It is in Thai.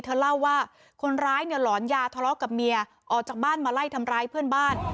เธอเล่าว่าคนร้ายเนี่ยหลอนยาทะเลาะกับเมียออกจากบ้านมาไล่ทำร้ายเพื่อนบ้าน